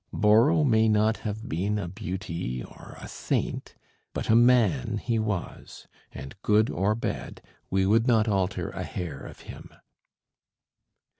Borrow may not have been a beauty or a saint; but a man he was; and good or bad, we would not alter a hair of him.